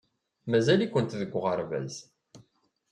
Mazal-ikent deg uɣerbaz.